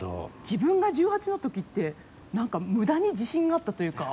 自分が１８のときってなんか、むだに自信があったというか。